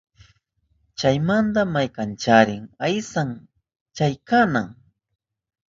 Chaymanta maykanchari aysan chay qanan